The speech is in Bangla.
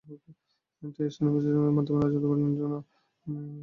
তাই স্থানীয় প্রশাসনের মাধ্যমে নজরদারি বাড়ানোর জন্য বিপিসি থেকে তাগিদ দেওয়া হয়েছে।